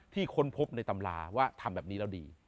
ค้นพบในตำราว่าทำแบบนี้แล้วดี